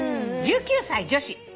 １９歳女子。